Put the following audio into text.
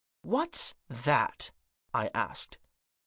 " What's that ?" I asked.